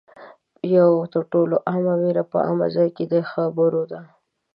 یوه تر ټولو عامه وېره په عامه ځای کې د خبرو ده